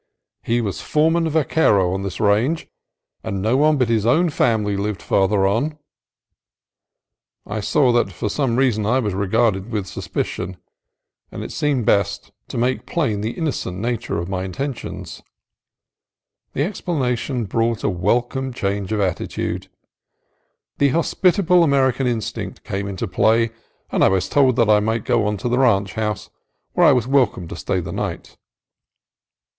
He was foreman vaquero on this range, and no one bur his own family lived farther on. I saw that for some reason I was regarded with suspicion, and it seemed best to make plain the innocent nature of my inten tions. The explanation brought a welcome change of attitude. The hospitable American instinct came into play, and I was told that I might go on to the ranch house, where I was welcome to stay the night.